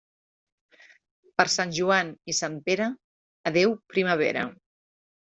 Per Sant Joan i Sant Pere, adéu primavera.